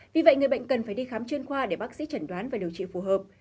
vì vậy người bệnh cần phải đi khám chuyên khoa để bác sĩ chẩn đoán và điều trị phù hợp